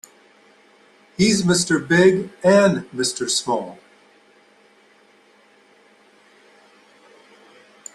He's Mr. Big and Mr. Small.